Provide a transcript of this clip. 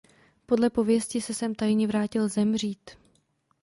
Podle pověsti se sem tajně vrátil zemřít.